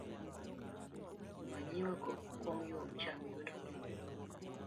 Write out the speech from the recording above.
Manyiwa go komyo cham yudo gigo